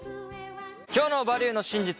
今日の「バリューの真実」